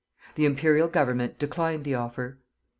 The Imperial Government declined the offer.